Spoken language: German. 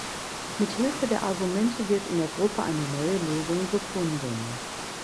Mit Hilfe der Argumente wird in der Gruppe eine neue Lösung gefunden.